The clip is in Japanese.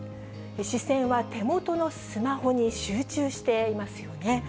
視線は手元のスマホに集中していますよね。